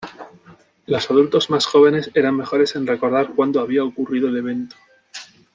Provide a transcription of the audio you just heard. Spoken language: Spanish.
Los adultos más jóvenes eran mejores en recordar cuándo había ocurrido el evento.